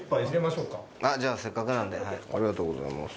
じゃあせっかくなんで。ありがとうございます。